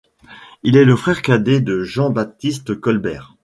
Il est le frère cadet de Jean-Baptiste Colbert.